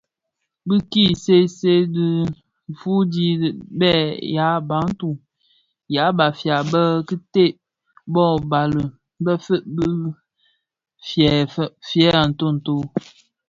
Bi ki see see dhifuu di bè yabantu (ya Bafia) be kibèè kō bani bëftëg bis fèeg a ntonto.